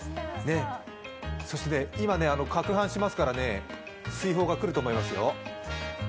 そしてね、今かくはんしますから、水泡がくると思いますよ。